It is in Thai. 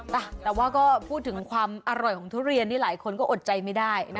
อ่ะแต่ว่าก็พูดถึงความอร่อยของทุเรียนนี่หลายคนก็อดใจไม่ได้นะ